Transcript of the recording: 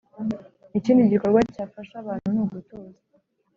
ikindi gikorwa cyafasha abantu nugutuza